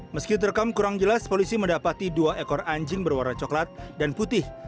meski terekam kurang jelas polisi mendapati dua ekor anjing berwarna coklat dan putih